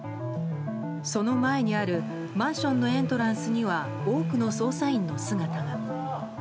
その前にあるマンションのエントランスには多くの捜査員の姿が。